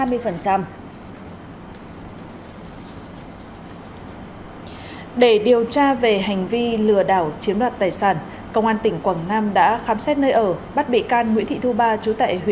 để điều tra về hành vi lừa đảo chiếm đoạt tài sản công an tỉnh quảng nam đã khám xét nơi ở bắt bị can nguyễn thị thu ba chú tại huyện